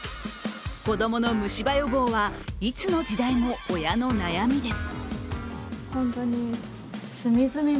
子供の虫歯予防は、いつの時代も親の悩みです。